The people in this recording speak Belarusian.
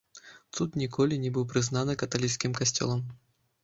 Цуд ніколі не быў прызнаны каталіцкім касцёлам.